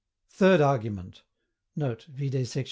THIRD ARGUMENT.[Note: Vide sect.